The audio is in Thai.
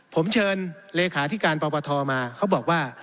ผมเชิญเลขาธิการปปทมาเขาบอกว่า